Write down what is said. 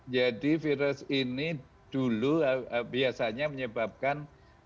jadi virus ini dulu biasanya menyebabkan